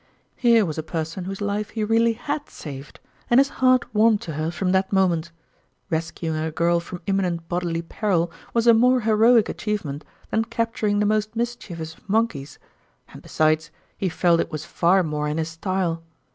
Here was a peison whose life he really had saved ; and his heart warmed to her from that moment. [Rescuing a girl from imminent bodily peril was a more heroic achievement than capturing the most mischievous of monkeys ; and, besides, he felt it was far more in his style.